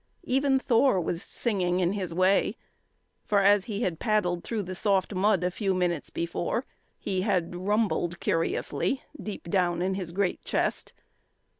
Even Thor was singing in his way, for as he had paddled through the soft mud a few minutes before he had rumbled curiously deep down in his great chest.